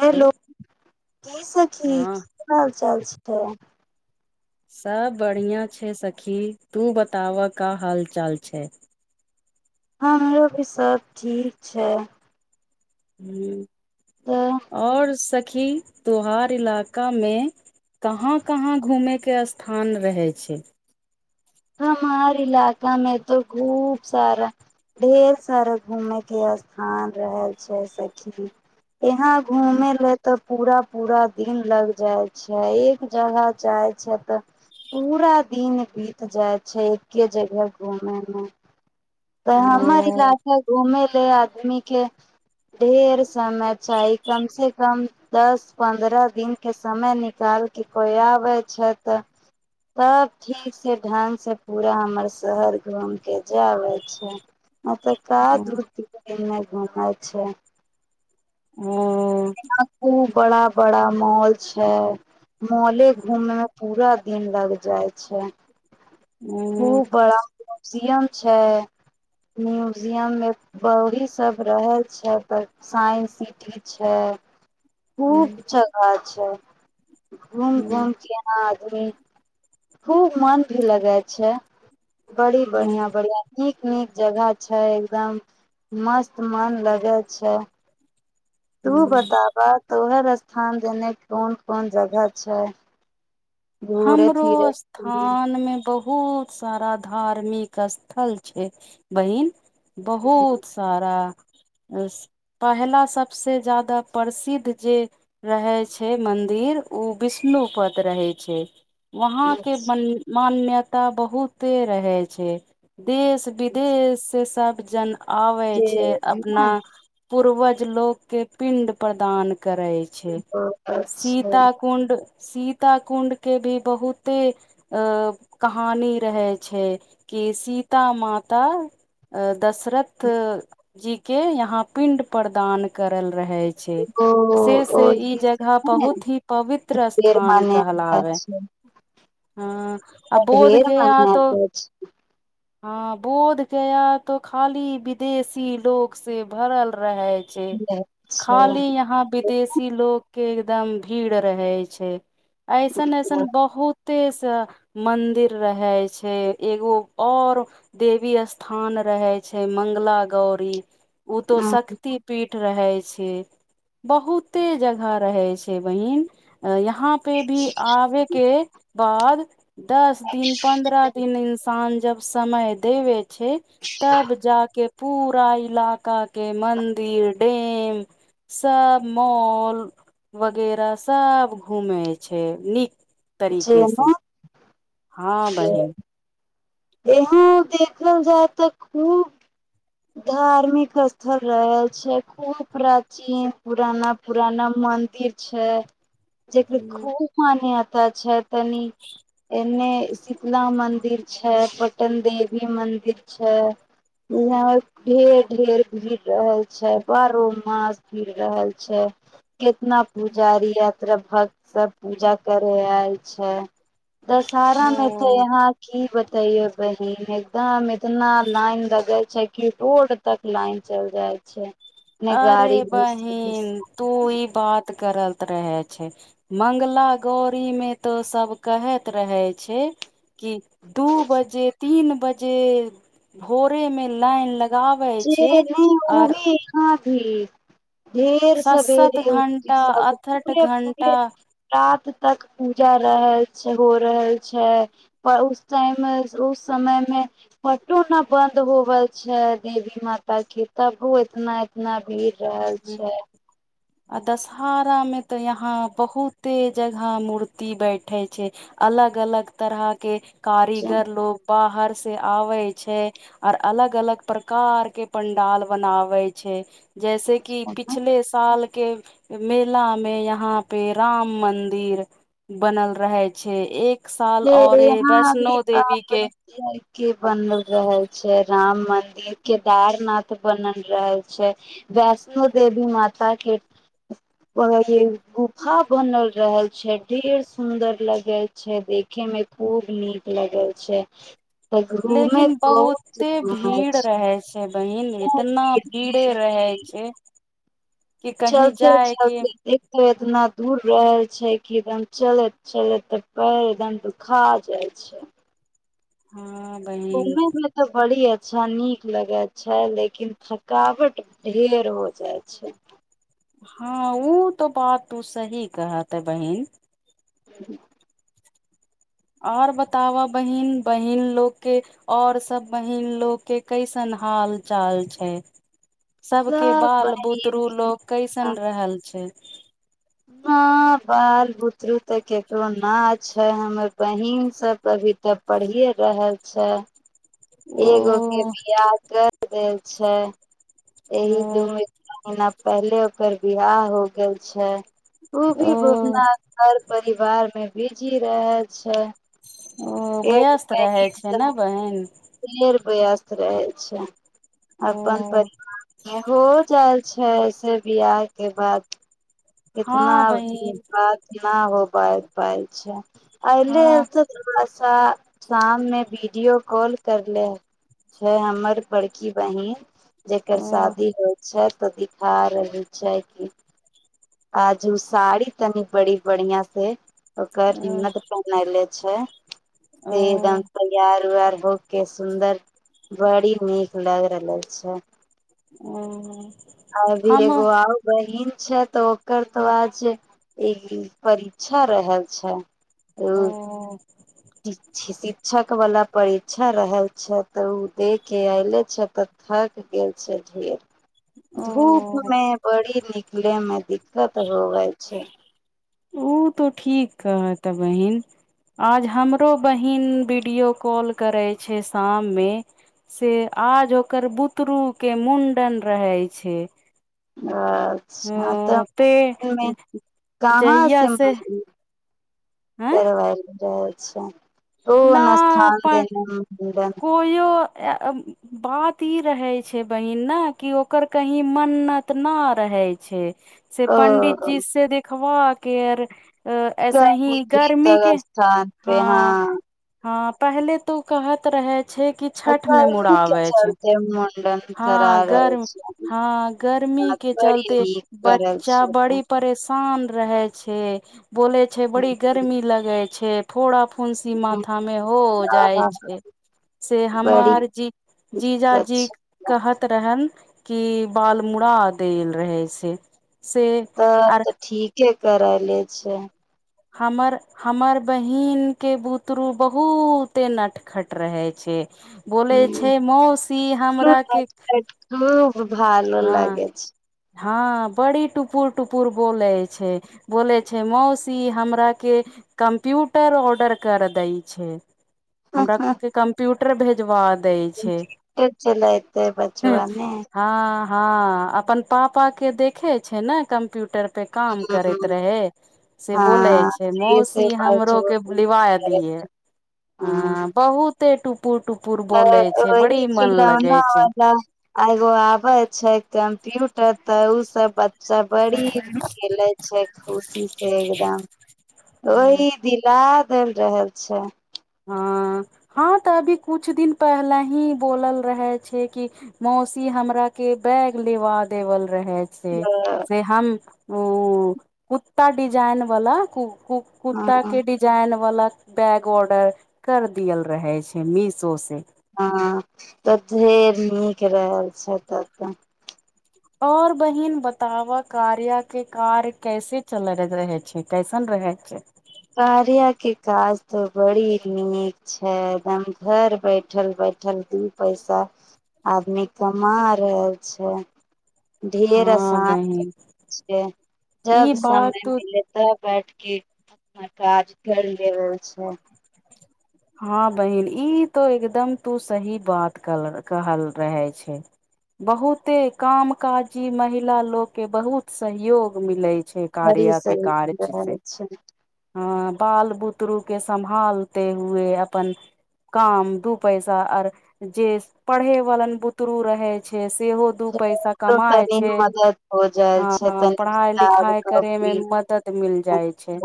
Hello की सखी हँ क हाल चाल छै तऽ सब बढ़िआँ छै सखी तू बताबह का हालचाल छै हमरो भी सभ ठीक छै हू तऽ आओर स सखी त्योहार इलाकामे कहाँ कहाँ घुमैके स्थान रहै छै हमार इलाकामे तो खूब सारा ढेर सारा घूमेै के स्थान रहल छै सखी यहाँ घूमे ले तब पूरा पूरा दिन लग जाइ छै एक जगह जाइ छै तऽ पूरा दिन बित जाइ छै एके जगह घूमेमे तऽ हमर ओ इलाका घूमे ले आदमी के ढेर समय चाही कम से कम दस पन्द्रह दिन के समय निकाल के कोइ आबे छै तब ठीक से ढंग से पूरा हमर शहर घूम के जे आबे छै औतय त ओ दूध पी के घुमैत बना छै यहाँ खूब ओ बड़ा बड़ा मॉल छै मौले घूमने मे पूरा दिन लग जाइ छै हू खूब बड़ा म्यूजियम छै म्यूजियम मे बी सब रहल छै पर साइंस सिटी अच्छा खूब जगह अच्छा घूम घूम केह खूब मन भी लगै छै बड़ी बढ़िया बढ़िया नीक जगह छै एकदम मस्त मन लगै छै तू बताब तोहर स्थान देने कोन कोन जगह छै घूरे हमरो फिरे के? स्थान मे बहुत बहुत सारा धार्मिक स्थल छै बहिन बहुत सारा पहिला सभसँ जादा प्रसिद्ध जे रहै छै मन्दिर ओ विष्णुपद रहै छै वहाँ केन मान्यता मान्यता बहुते रहै छै देश विदेश सब जन आबै से छै अपना ने पूर्वज लोकके पिण्ड प्रदान करै छै अच्छा सीता कुण्ड सीत कुण्ड के भी बहुते कहानी रहे छै कि सीता माता दशरथ जी के यहाँ पिंड प्रदान करल रहे छै ओ से से ई जगह ने बहुत ही पवित्र ढेर स्थान मान्यता कहलावे [inaudible] हँ आ ढेर मान्यता है ह बोध गया तो खाली विदेशी लोग से भरल रहे छै खाली यहाँ विदेशी लोग के एकदम भीड़ रहै छै एइसन अच्छा अइसन बहुत एते से मंदिर रहै छै एगो और देवी स्थान रहै छै मंगला गौरी ओ तो शक्त पीठ रहै छै बहुते जगह रहै छै बहिन यहाँ पे भी आबे के बाद दस दिन पन्द्रह दिन इन्सान जब समय देबे छै तब जाके पूरा इलाका के मंदिर डेम सब मॉल वगैरह सब घूमे छै ह नीक तरीके से जेना हँ के बहिन यहाँ देखल जाय तऽ खूब धार्मिक स्थल रह छै खूब प्राचीन पुराना पुराना मन्दिर छै जकर हूँ खूब मानए छै तनी एने शीतला मन्दिर छै पटन देवी मन्दिर छै ब ढेर ढेर भिड़ रहल छै बारहो मास भिड़ रहल छै कितना पुजारी यात्रा भक्त सब पूजा करय आयल छै दशहरा में तो ओ यहाँ की ब तैयो बहिन एकदम एदना लइन लग छै रोड तक लाइन चल जाय छै ने अरे गाड़ी घुस बहिन तू ई बात करत रहे छै मंगला गारी मे तो सब कहैत रहे छै कि दू बजे तीन बजे भोरे मे लाइन लग जेे नहि ओ भी ह ठीक ढेर सात सात सवेरे उठे घंटा सब अठठ पूे घंटा पूे र तक पूजा रहल छै हो रहल छै उस टाइम मे उस समय मे पटो न बन्द होवल छै देवी माता केी तब हो एतना एतना भीड़ रहल छै आ दशहरा में तऽ यहा बहुते जगह मूर्ति बैठे छै अलग अलग तरह के कारीगर छै लोग बाहर से आबे छै आर अलग अलग प्रकार के पंडाल बनावे छै जैसे कि पिछले साल के मेला में यहाँ पे राम मदिर बनल रहे छै एक साल औरे यहाँ अभी वैष्णो देवी के के बनल रहल छै राम मंदिर केदारनाथ बनल रह छै वैष्णो देवी माता के गुफा बनल रहल छै ढेर सुंदर लगे छै देख देखे मे खूब नीक लगल छै तऽ घूमे लेकिन बहुत बहुते घम भीड़ छै रहे बहिन एतना भीड़े रहै छै कि कहीं चलते जाय के चलते एक त इतना दूर रह छै कि एकदम चलत चलत तऽ पैर एकदम दुखा जाय छै हँ बहिन घूमे मे तऽ बड़ी ह अच्छा नीक लगै छै लेकिन थकावट ढेर हो जाइ छै हँ ओ तो बात तू सही कहत है बहिन ह आओर बताबह बहीन बहीन लोककेँ आओर सभ बहिीन लोककेँ कैसन हाल चाल छै सब के बाल बुतरु लोग कैसन रहल छै म बाल बुतरू तऽ ककरो नहि छै हमर बहीनसभ अभी तऽ पढ़िए रहल छै ओ एकगो के बियाह कर देल छै एहि दू ओ महना पहिले ओकर बिवाह हो गेल छै ओू ओ भी घुमना हर परिवार मे बीजी रहै छै ओ वयस्त रहै छै ने बहीन वयस्त रहै छै ओ अपन परिवार हो जाइ छै से बियाह के बाद इतना हँ बहिन बात नहि हो पाय पाइ छै हँ [unintelligible] शाम मे वीडियो कॉल करले छै हमर बड़की बहिन जेकर ओ शादी होइ छै तऽ दिखा रहली छै कि आज हम साड़ी तनी बड़ी बढ़आ से ओकर ओ ननद पहिनैले छै ओ से दम्प त्यार वैयार हो के सुन्दर बड़ी नीक लग रहल छै ओ आरो हम ओ एगो आउर बहिन छै तो एकर तो आज एक परीक्षा रहल छै ओ शिक्षकवला परीक्षा रहल छै तऽ ओ देख क अयले छथि तऽ थकि गेल छै ढेर ओ धूपमें बड़ी नीक मे दिक्कत तऽ ओ तऽ ठीकीक ह तऽ बहिीन आज हमरो बहिन वीडियो कॉल करै छै शाममे से आज ओकर बुतरूके मुण्डन रहै छै ह अच्छा ते तऽ मे कहाँ से मिर आँय करवल रह अच्छा ना ओना स्थान अपन देनेडन कोयो बात ई रहे छै बहिन ने कि ओकर की मन्नत न रहे छै से ओ पंडित जी से देख हँ गैर कही भी त स्थान पे हँ हँ पहले तो कहत रहै छै कि छठ मे गर्मी के मुड़बै छै चलते मुंडन हँ करा रहल गर्म छी हँ गर्मी के बड़ी चलते नीक करल बच्चा छै तों। बड़ी परेशान काम रहै छै बोले छै बड़ी गर्मी लगे छै छै फोड़ा फोनसी था मे हो जाइ आहा, छै से बड़ी हमर जी दिक्कत जीजाजी छै कहत रहन कि बाल मुड़ा देल रहै से से तऽ आर तऽ ठीक ह करै ले छै हमर हमर बहिन के बुतरू बहुते नटखट रहे छै बोलै हम्म, छै मौसी फ्लूट हमरााके काट खूब भालो लागे छै हँ बड़ी टुपुर टुपुर बोलै छै बोलै छै मौसी हमराके कम्प्यूटर ऑर्डर कर दै छै हमरा कम्प्यूटर ट्रेवलेजवार च लयतै बचब ने हँ हँ अपन पापा के देखे छै ने कम्प्यूटर पे काम करैत रहे से बोले हँ छै से से मौसी हमरो बचवा के लिवा करे। दिये हम्म, ह बहुते टुप अ ओह खिल लगे छै आगो आब छै कम्प्यूटर तऽ ओ सब सब बड़ी खेले छै खुशी से एकदम हूँ ओहि दिल चेल रहल छै अ हाँ तऽ अभी कुछ दिन पहले ही बोलल रहे छै कि मौसी हमरा के बैग लेवा देवल रहै छै से हम ओ कुत्ता डिजाइन वला क क कुर्ताा हँ के डिजाइन वाला बैग ऑर्डर कर दियल रहै छै मीशो से हँ तऽ ढेर नीक रहल छ तऽ और बहिन बता बऽ कार्या के कार्य कैसे चल रहे छै कैसन रहै छै कार्या काज तऽ बड़ी नीक छै एकदम घर बैठल बैठल दू पैसा आदमी कमा रहल छै ढेर हँ आसान बहिन छै जब ई बात समय तो मिले तब बैठके [unintelligible] आज कल रहल छै हँ बहिन ई तो एकदम तू सही बात कहल रहे छै बहुते काम काजी महिला लोग के बहुत सहयोग मिले हरही सुरही [unintelligible] छै हँ बाल बुतरु के सम्भालते हुए अपन काम दू पैसा और जे पढ़े वालन बुतरु रहै छै सेहो दू पैसा हमरो कमााय तनी छै मदद हो जाइ छै हँ तनी पढ़ाई किताब लिखाई करे कॉपी मे मदद मिल जाइ छै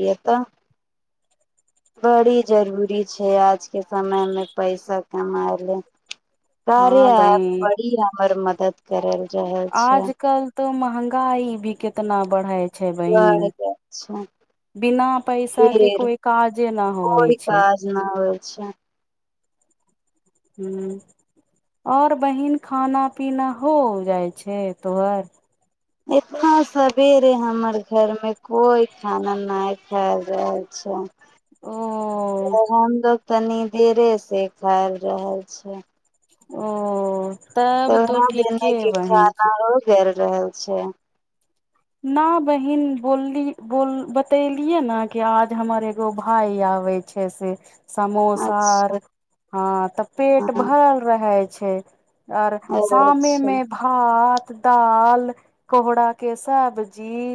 ई एतअ बड़ी जरूरी छै आजके समयमे पैसा कमाइ ले हँ कार्या ऐप बहिन बड़ी हमर मदद करल रहल छै आजकल तऽ महगा गाई भी केतना बरहै छै बहिन बढ़ गेल छै बिना पैसा के फेर कोइ काजे ना होइ कोइ छै काज [unintelligible] हूँ आओर बहिन खाना पीना हो जाइ छै तोहर एतना सवेरे हमर घर मे कोई खाना नइ खायल जाय छै ओ तऽ हम लोग तनी देरे से खायल रहल छै ओ तब तो तोरा दूनु ठीके के बहिन खाना हो गेल रहल छै न बहिन बोलली बोल बतेलियै न कि आज हमर एगो भाय आबै छै से समोसा आर अच्छा हँ तऽ पेट हँ भरल रहे छै आओर शामे अच्छा मे भात दाल कोहराके स सब्जी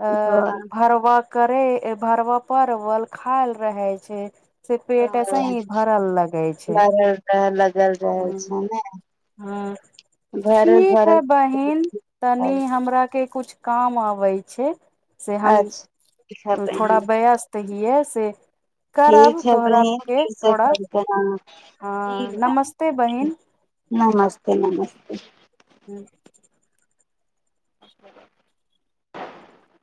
अ वाह, भारवाक करे भरबा परवल खायल रहे छै से पेट ऐसे अ, ही भरल लगे छै भरल रह लगल रहल ह छै ने ह भरल ठीक है भरल बहिन तनि हमरा के किछ काम आबै छै से हम अच्छा ठीक है थोड़ा बहिन भैया तहिये से करब ठीक है तोहरा बहिन के फर थोड़ा कल कर हँ ठीक बा नमस्ते बहिन नमस्ते नमस्ते ह्म